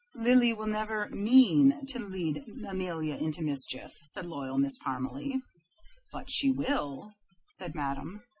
"Lily will never MEAN to lead Amelia into mischief," said loyal Miss Parmalee. "But she will," said Madame.